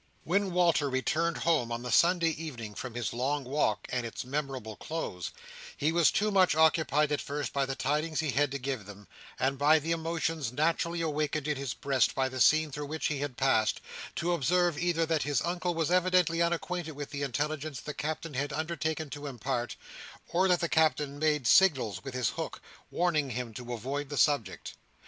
When Walter returned home on the Sunday evening from his long walk, and its memorable close, he was too much occupied at first by the tidings he had to give them, and by the emotions naturally awakened in his breast by the scene through which he had passed, to observe either that his Uncle was evidently unacquainted with the intelligence the Captain had undertaken to impart, or that the Captain made signals with his hook, warning him to avoid the subject.